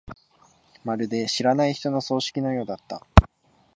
まるで知らない人の葬式のようだ。